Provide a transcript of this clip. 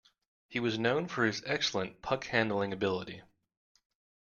He was known for his excellent puck-handling ability.